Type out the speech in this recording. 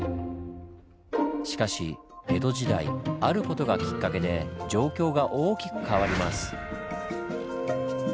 しかし江戸時代ある事がきっかけで状況が大きく変わります。